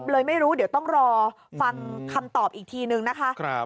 เลยไม่รู้เดี๋ยวต้องรอฟังคำตอบอีกทีนึงนะคะ